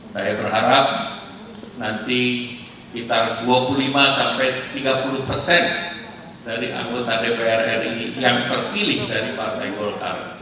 saya berharap nanti kita dua puluh lima sampai tiga puluh persen dari anggota dpr ri yang terpilih dari partai golkar